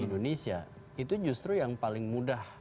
di indonesia itu justru yang paling mudah